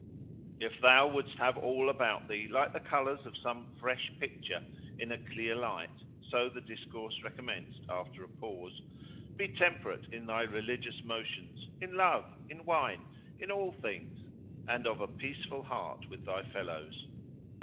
"If thou wouldst have all about thee like the colours of some fresh picture, in a clear light," so the discourse recommenced after a pause, "be temperate in thy religious notions, in love, in wine, in all things, and of a peaceful heart with thy fellows."